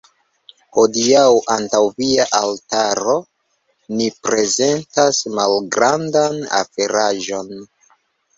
Hodiaǔ, antaǔ via altaro, ni prezentas malgrandan oferaĵon.